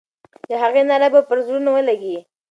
د هغې ناره به پر زړونو ولګي.